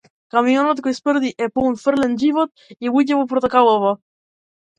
Камионот кој смрди е полн фрлен живот и луѓе во портокалово.